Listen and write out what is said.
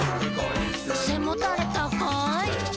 「せもたれたかい！」